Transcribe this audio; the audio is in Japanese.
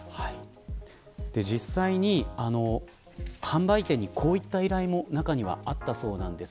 実際に販売店にこういった依頼も中にはあったそうです。